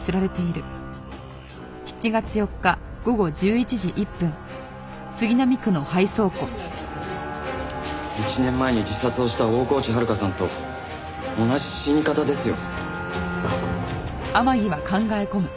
１年前に自殺をした大河内遥さんと同じ死に方ですよ。